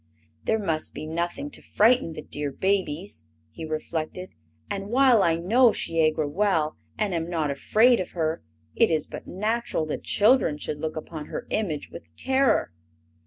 "There must be nothing to frighten the dear babies," he reflected; "and while I know Shiegra well, and am not afraid of her, it is but natural that children should look upon her image with terror.